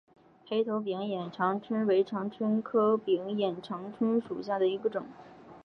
黑头柄眼长蝽为长蝽科柄眼长蝽属下的一个种。